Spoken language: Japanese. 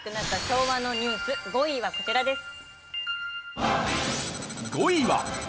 昭和のニュース５位はこちらです。